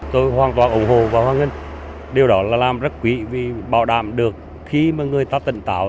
tôi hoàn toàn ủng hộ và hoan nghênh điều đó là làm rất quý vì bảo đảm được khi mà người ta tận tạo